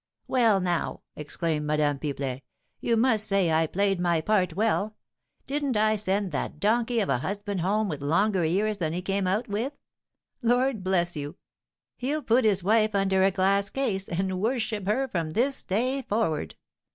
"Well, now," exclaimed Madame Pipelet, "you must say I played my part well. Didn't I send that donkey of a husband home with longer ears than he came out with? Lord bless you! he'll put his wife under a glass case, and worship her from this day forward.